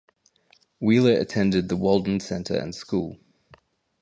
Wheeler attended the Walden Center and School.